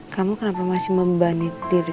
kamu kenapa masih membanit diri kamu sama kerjaan kamu